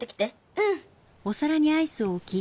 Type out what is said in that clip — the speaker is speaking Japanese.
うん。